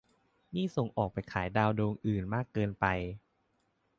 นี่ส่งออกไปขายดาวดวงอื่นมากเกินไป